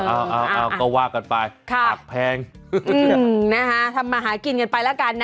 เอาก็ว่ากันไปผักแพงทำมาหากินกันไปแล้วกันนะ